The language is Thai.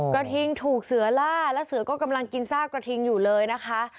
กระทิงถูกเสือล่าและเสือก็กำลังกินซากกระทิงอยู่เลยนะคะ